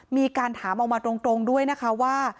มีการถามออกมาตรงด้วยนะคะว่า